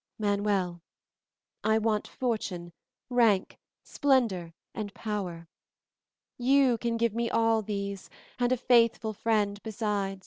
"Manuel, I want fortune, rank, splendor, and power; you can give me all these, and a faithful friend beside.